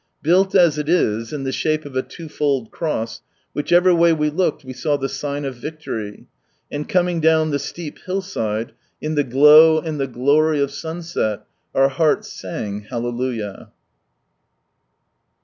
Built as it is, in the shape of a two fold cross, whichever way we looked we saw the sign of victory ; and coming down the steep hillside, in the glow and the glory of sunset, our hearts sang " Hallelujah."